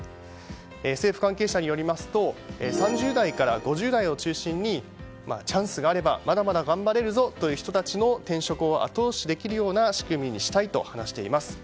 政府関係者によりますと３０代から５０代を中心にチャンスがあればまだまだ頑張れるぞという人たちの転職を後押しできるような仕組みにしたいと話しています。